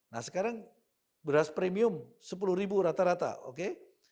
nah sekarang beras premium sepuluh ribu rata rata oke